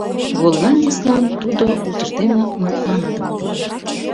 Голландецлан тудо утыждене мутланыдыме лийын.